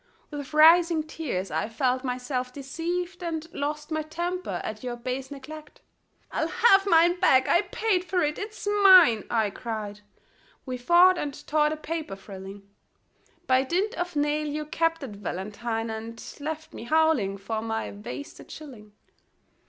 With rising tears I felt myself deceived And lost my temper at your base neglect. " I'll have mine back I paid for it it's mine !" I cried. We fought and tore the paper frilling. By dint of nail you kept that valentine, And left me howling for my wasted shilling.